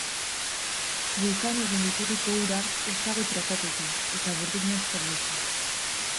Vulcanoren iturriko ura ez dago tratatuta, eta burdin asko dauka.